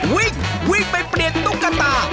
วิ่งวิ่งไปเปลี่ยนตุ๊กตา